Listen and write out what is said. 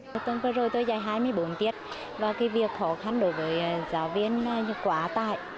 trong tuần vừa rồi tôi dạy hai mươi bốn tiết và cái việc khó khăn đối với giáo viên quá tải